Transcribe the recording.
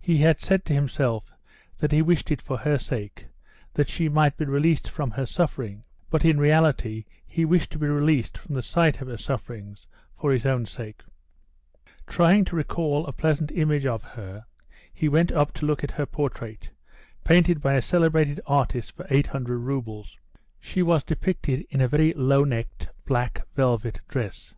He had said to himself that he wished it for her sake, that she might be released from her suffering, but in reality he wished to be released from the sight of her sufferings for his own sake. Trying to recall a pleasant image of her, he went up to look at her portrait, painted by a celebrated artist for 800 roubles. She was depicted in a very low necked black velvet dress.